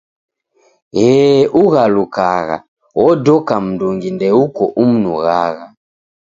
Ee ughalukagha, odoka mndungi ndeuko umnughagha.